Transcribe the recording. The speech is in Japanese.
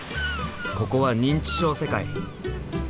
ここは認知症世界！